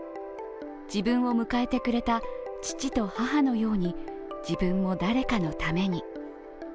自分を迎えてくれた父と母のように自分も誰かのために。